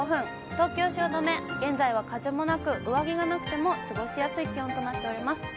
東京・汐留、現在は風もなく、上着がなくても過ごしやすい気温となっております。